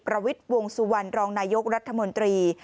วิทย์วงสุวรรณรองนายกรัฐมนตรี